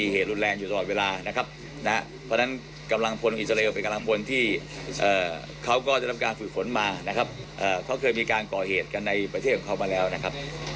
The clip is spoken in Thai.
เขาเคยมีการก่อเหตุกันในประเทศของเขามาแล้วนะครับ